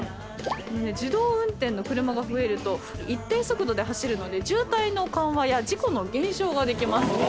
自動運転の車が増えると一定速度で走るので渋滞の緩和や事故の減少ができます。